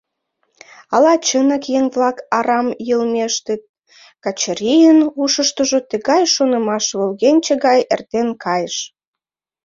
«Ала чынак еҥ-влак арам йылмештыт?» — Качырийын ушыштыжо тыгай шонымаш волгенче гай эртен кайыш.